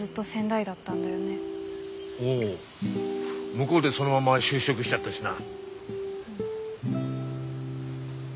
向こうでそのまま就職しちゃったしな。